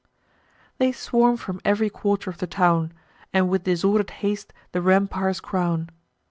They swarm from ev'ry quarter of the town, And with disorder'd haste the rampires crown.